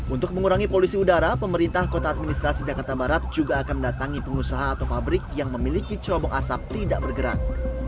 untuk mengurangi polusi udara pemerintah kota administrasi jakarta barat juga akan mendatangi pengusaha atau pabrik yang memiliki cerobong asap tidak bergerak